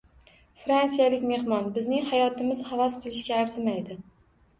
Fransiyalik mehmon: “Bizning hayotimiz havas qilishga arzimaydi”